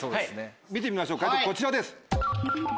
見てみましょう解答こちらです。